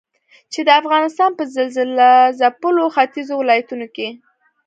چې د افغانستان په زلزلهځپلو ختيځو ولايتونو کې